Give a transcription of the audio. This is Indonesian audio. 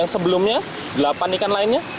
sebelumnya delapan ikan lainnya